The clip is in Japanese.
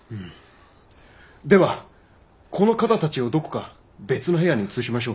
ではこの方たちをどこか別の部屋に移しましょう。